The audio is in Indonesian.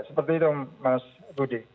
seperti itu mas budi